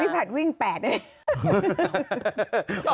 พี่ผัดวิ่ง๘เลย